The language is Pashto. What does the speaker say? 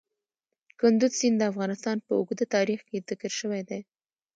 کندز سیند د افغانستان په اوږده تاریخ کې ذکر شوی دی.